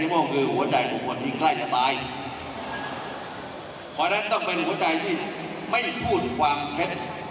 เพราะฉะนั้นต้องเป็นหัวใจที่ไม่พูดความแค่